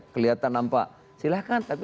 kelihatan nampak silahkan tapi